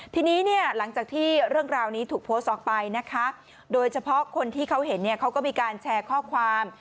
ทีนี้เนี่ยหลังจากที่เรื่องราวนี้ถูกโพสต์ออกไปนะคะโดยเฉพาะคนที่เขาเห็นเนี่ยเขาก็มีการแชร์ข้อความ